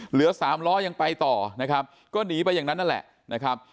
เหลือสามล้อยังไปต่อนะครับก็หนีไปอย่างนั้นนั่นแหละนะครับ